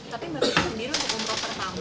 tapi mbak rutin sendiri untuk umroh pertama